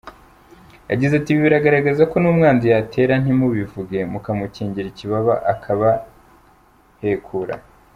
Yagize ati “Ibi biragaragaza ko n’umwanzi yatera ntimubivuge, mukamukingira ikibaba akabahekura.